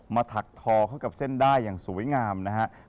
ถักทอเข้ากับเส้นได้อย่างสวยงามนะครับ